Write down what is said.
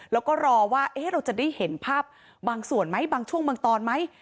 แล้วก็รอว่าเราจะได้เห็นภาพบางส่วนไหมบางช่วงบางตอนไหม